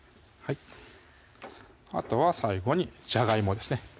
あとは最後にじゃがいもですね